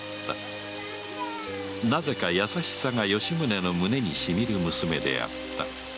なぜか優しさが吉宗の胸にしみる娘であった